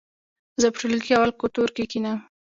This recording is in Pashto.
زه په ټولګي کې اول قطور کې کېنم.